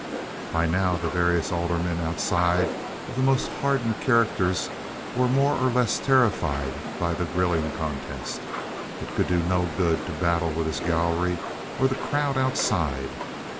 By now the various aldermen outside of the most hardened characters were more or less terrified by the grilling contest. It could do no good to battle with this gallery or the crowd outside.